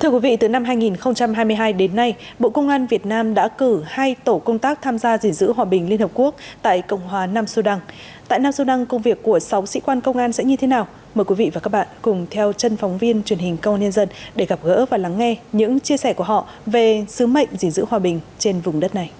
thưa quý vị từ năm hai nghìn hai mươi hai đến nay bộ công an việt nam đã cử hai tổ công tác tham gia giữ hòa bình liên hợp quốc tại cộng hòa nam sudan tại nam sudan công việc của sáu sĩ quan công an sẽ như thế nào mời quý vị và các bạn cùng theo chân phóng viên truyền hình công an nhân dân để gặp gỡ và lắng nghe những chia sẻ của họ về sứ mệnh giữ hòa bình trên vùng đất này